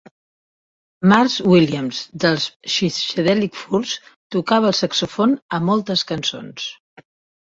Mars Williams dels Psychedelic Furs tocava el saxofon a moltes cançons.